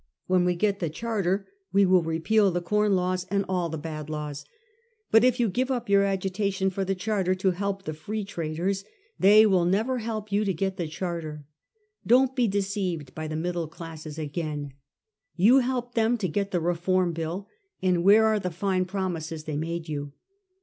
When we get the Charter we will repeal the Corn Laws and all the bad laws. But if you give up your agitation for the Charter to help the Free Traders, they will never help you to get the Charter. Don't be deceived by the middle classes again I You helped them to get the Reform Bill, and where are the fine promises they made you?